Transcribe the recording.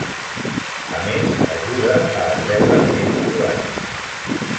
A més, ajuda a atreure més usuaris.